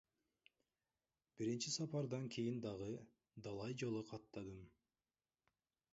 Биринчи сапардан кийин дагы далай жолу каттадым.